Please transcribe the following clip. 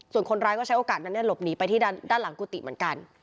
ส่วนคนร้ายก็ใช้โอกาสนั้นหลบหนีไปที่ด้านหลังกุฏิเหมือนกัน